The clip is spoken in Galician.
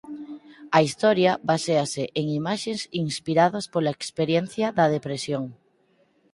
A historia baséase en imaxes inspiradas pola experiencia da depresión.